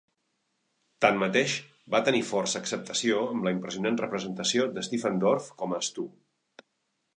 Tanmateix, va tenir força acceptació amb la impressionant representació d'Stephen Dorff com a Stu.